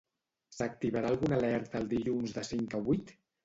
S'activarà alguna alerta el dilluns de cinc a vuit?